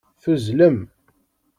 Tuzzlem.